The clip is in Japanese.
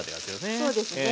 そうですね。